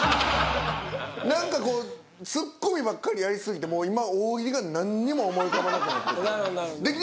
何かこうツッコミばっかりやり過ぎて今大喜利が何にも思い浮かばなくなってて。